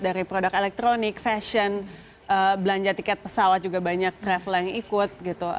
dari produk elektronik fashion belanja tiket pesawat juga banyak travel yang ikut gitu